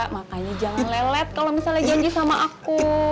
makanya jangan lelet kalau misalnya janji sama aku